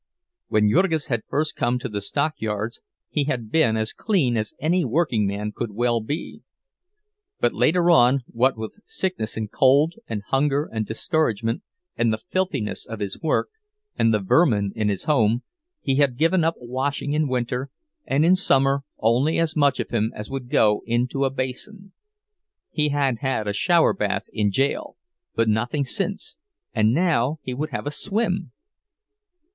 When Jurgis had first come to the stockyards he had been as clean as any workingman could well be. But later on, what with sickness and cold and hunger and discouragement, and the filthiness of his work, and the vermin in his home, he had given up washing in winter, and in summer only as much of him as would go into a basin. He had had a shower bath in jail, but nothing since—and now he would have a swim!